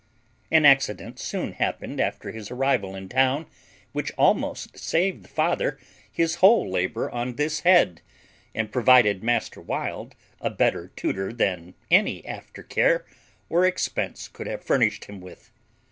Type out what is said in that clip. An accident soon happened after his arrival in town which almost saved the father his whole labour on this head, and provided master Wild a better tutor than any after care or expense could have furnished him with.